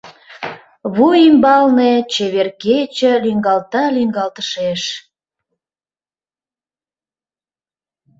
Вуй ӱмбалне Чевер кече Лӱҥгалта лӱҥгалтышеш.